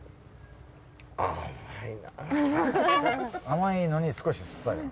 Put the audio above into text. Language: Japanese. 甘いのに少し酸っぱいの。